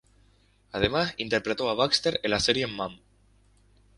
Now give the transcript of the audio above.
Además, interpretó a Baxter en la serie "Mom".